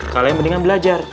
kalian mendingan belajar